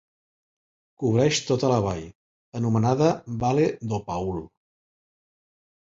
Cobreix tota la vall, anomenada Vale do Paul.